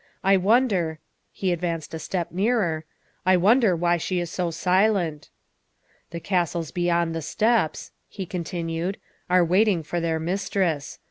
I wonder," he advanced a step nearer, " I wonder why she is so silent. '' The castles beyond the steppes, '' he continued, *' are waiting for their mistress.